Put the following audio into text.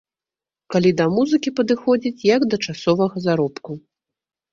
Калі да музыкі падыходзіць, як да часовага заробку.